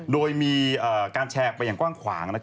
โดยมีการแชร์ออกไปอย่างกว้างขวาง